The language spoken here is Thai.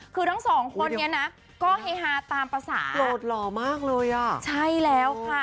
คือทั้งสองคนนี้นะก็เฮฮาตามภาษาโหลดหล่อมากเลยอ่ะใช่แล้วค่ะ